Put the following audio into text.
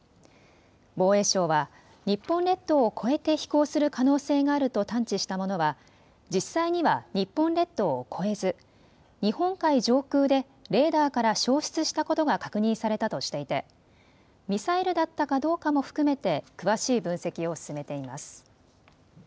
防衛省は日本列島を越えて飛行する可能性があると探知したものは実際には日本列島を越えず日本海上空でレーダーから消失したことが確認されたとしていてミサイルだったかどうかも含めて詳しい分析を進めています。